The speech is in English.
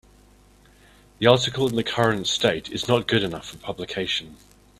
The article in the current state is not good enough for publication.